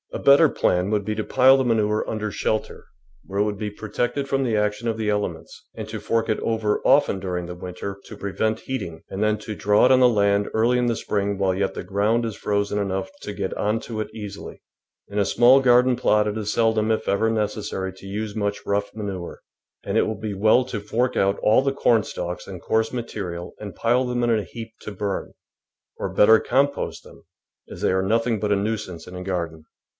A better plan would be to pile the manure THE VEGETABLE GARDEN under shelter, where it would be protected from the action of the elements, and to fork it over often during the winter to prevent heating, and then to draw it on the land early in spring while yet the ground is frozen enough to get on to it easily. In a small garden plot it is seldom, if ever, necessary to use much rough manure, and it will be well to fork out all the cornstalks and coarse material and pile them in a heap to burn, or better compost them, as they are nothing but a nuisance in a garden.